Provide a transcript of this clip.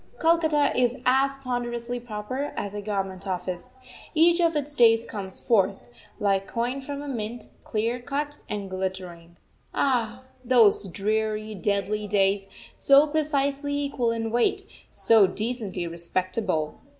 Calcutta is as ponderously proper as a Government office. Each of its days comes forth, like coin from a mint, clear cut and glittering. Ah! those dreary, deadly days, so precisely equal in weight, so decently respectable!